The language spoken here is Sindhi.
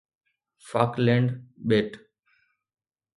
فاڪلينڊ ٻيٽ